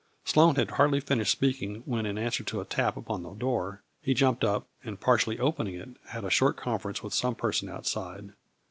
Sloane had hardly fin ished speaking when, in answer to a tap upon the door, he jumped up, and partially opening it, had a short conference with some person outside.